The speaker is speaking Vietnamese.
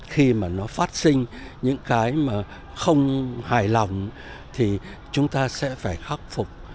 khi mà nó phát sinh những cái mà không hài lòng thì chúng ta sẽ phải khắc phục